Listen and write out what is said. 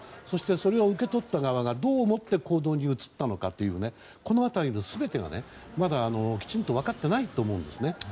そして、それを受け取った側がどう思って行動に移ったのかというこの辺りの全てがまだきちんと分かっていないと思うんですね。